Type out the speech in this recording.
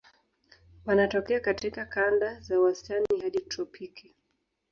Wanatokea katika kanda za wastani hadi tropiki.